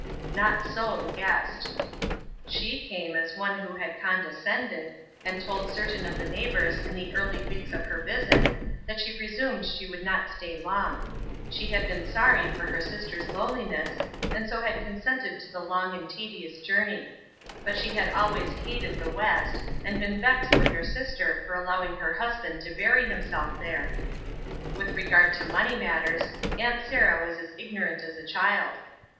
Not so the guest. She came as one who had condescended, and told certain of the neighbors in the early weeks of her visit that she presumed she should not stay long; she had been sorry for her sister^s loneliness and so had consented to the long and tedious journey; but she had always hated the West and been vexed with her sister for allowing her husband to bury himself there. With re gard to money matters. Aunt Sarah was as ignorant as a child.